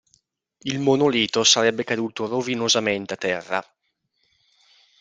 Il monolito sarebbe caduto rovinosamente a terra.